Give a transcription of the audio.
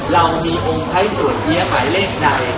เรามีองค์ไพรสวยเพี้ยหมายเลขใด